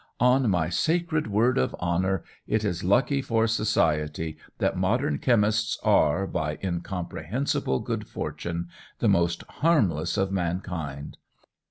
On my sacred word of honour it is lucky for Society that modern chemists are, by incomprehensible good fortune, the most harmless of mankind.